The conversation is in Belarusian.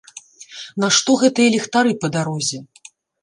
Нашто гэтыя ліхтары па дарозе?